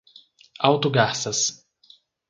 Alto Garças